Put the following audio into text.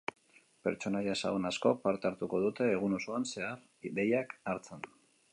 Pertsonaia ezagun askok parte hartuko dute egun osoan zehar deiak hartzen.